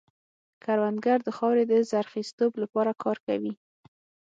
کروندګر د خاورې د زرخېزتوب لپاره کار کوي